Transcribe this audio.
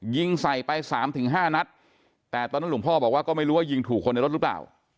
ยิงใส่ไปสามถึงห้านัดแต่ตอนนั้นหลวงพ่อบอกว่าก็ไม่รู้ว่ายิงถูกคนในรถหรือเปล่า